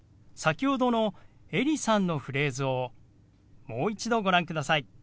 先ほどのエリさんのフレーズをもう一度ご覧ください。